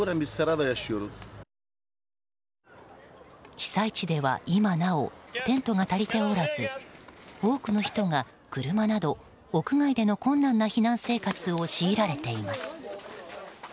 被災地では今なおテントが足りておらず多くの人が車など屋外での困難な避難生活を強いられています。